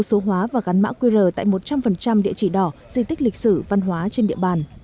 số hóa và gắn mã qr tại một trăm linh địa chỉ đỏ di tích lịch sử văn hóa trên địa bàn